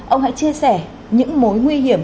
ông hãy chia sẻ những mối nguy hiểm